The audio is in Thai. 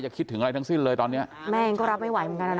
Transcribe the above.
จะคิดถึงอะไรทั้งสิ้นเลยตอนนี้